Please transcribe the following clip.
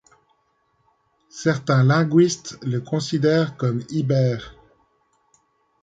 Certains linguistes le considèrent comme ibère.